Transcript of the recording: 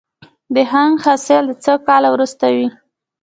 د هنګ حاصل څو کاله وروسته وي؟